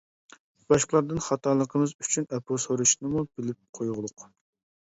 باشقىلاردىن خاتالىقىمىز ئۈچۈن ئەپۇ سوراشنىمۇ بىلىپ قويغۇلۇق.